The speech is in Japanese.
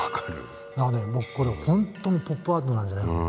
だから僕これ本当にポップアートなんじゃないかと思う。